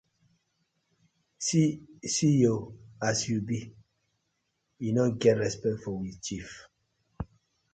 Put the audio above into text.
See yur as yu bi, yu no get respect for we chief.